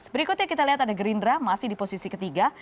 berikutnya kita lihat ada gerindra masih di posisi ketiga